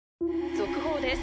続報です